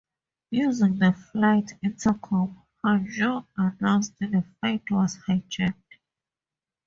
Using the flight intercom, Hanjour announced the flight was hijacked.